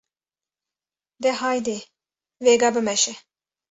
De haydê vêga bimeşe!’’